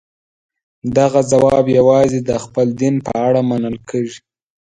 دغه ځواب یوازې د خپل دین په اړه منل کېږي.